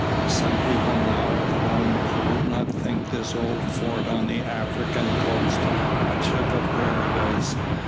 "Some people now at home would not think this old fort on the African coast much of a paradise."